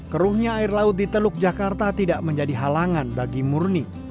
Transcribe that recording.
keruhnya air laut di teluk jakarta tidak menjadi halangan bagi murni